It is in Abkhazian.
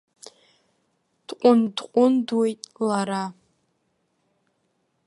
Дҟәындҟәындуеит лара.